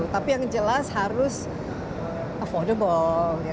tapi yang jelas harus affordable